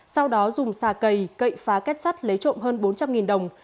sau đó dùng xà cầy cậy phá kết sắt lấy trộm hơn bốn trăm linh đồng